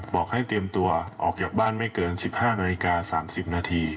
บอกให้เตรียมตัวออกจากบ้านไม่เกิน๑๕นาฬิกา๓๐นาที